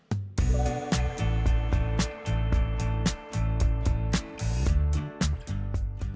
kepala kebun dapur